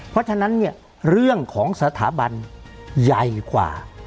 เพราะฉะนั้นเนี่ยเรื่องของสถาบันใหญ่กว่า